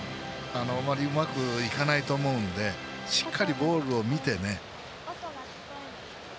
あまりうまくいかないと思うのでしっかりボールを見て。